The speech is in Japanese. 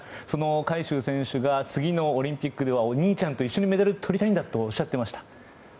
その海祝選手が次のオリンピックではお兄ちゃんと一緒にメダルとりたいんだとおっしゃっていました。